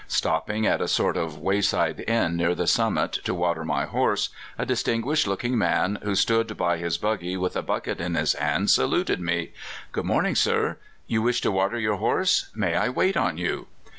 Stopping at a sort of way side inn near the summit to water my horse, a distinguished looking man, who stood by his buggy with a bucket in his hand, saluted me: " Good morning, sir. You wish to water your horse; may I wait on you?"